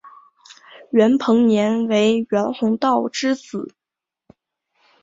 袁彭年为袁宏道之子。